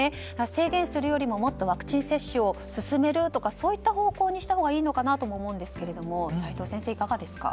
制限するよりももっとワクチン接種を進めるとかそういう方向にしたほうがいいのかなとも思うんですけど齋藤先生、いかがですか。